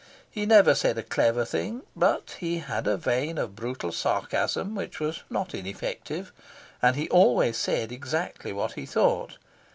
He never said a clever thing, but he had a vein of brutal sarcasm which was not ineffective, and he always said exactly what he thought.